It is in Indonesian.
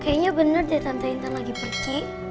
kayaknya bener deh tante lagi pergi